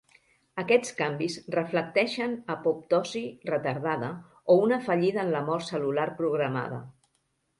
Aquests canvis reflecteixen apoptosi retardada o una fallida en la mort cel·lular programada.